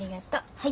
はい。